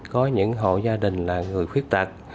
có những hộ gia đình là người khuyết tật